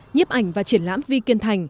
nhiếp ảnh và triển lãm vi kiên thành